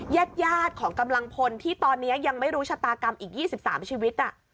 ญาติของกำลังพลที่ตอนนี้ยังไม่รู้ชะตากรรมอีก๒๓ชีวิต